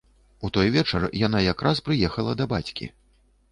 У той вечар яна якраз прыехала да бацькі.